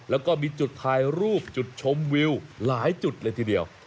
แล้วก็มีจุดถ่ายรูปจุดชมวิวหลายจุดเลยทีเดียว